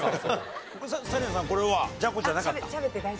紗理奈さんこれはじゃこじゃなかった？